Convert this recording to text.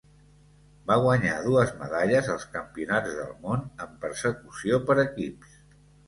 Va guanyar dues medalles als Campionats del món en Persecució per equips.